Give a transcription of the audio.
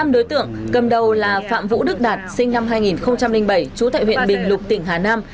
một mươi năm đối tượng cầm đầu là phạm vũ đức đạt sinh năm hai nghìn bảy chú tại huyện bình lục tỉnh hà nam